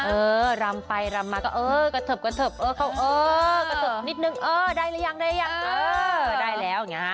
เออรำไปรำมากระทบเข้าเออกระทบนิดนึงเออได้ละยังเออได้แล้ว